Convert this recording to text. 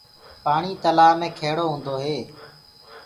پآڻي تلآه مي کيڙو هوندو هي۔